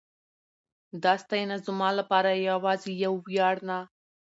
دا ستاینه زما لپاره یواځې یو ویاړ نه